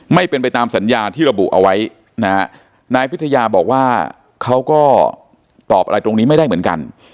ไม่เป็นไปตามสัญญาที่ระบุเอาไว้นะฮะนายพิทยาบอกว่าเขาก็ตอบอะไรตรงนี้ไม่ได้เหมือนกัน